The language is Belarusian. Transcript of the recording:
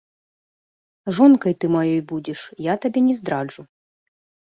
Жонкай ты маёй будзеш, я табе не здраджу.